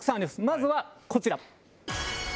まずはこちら。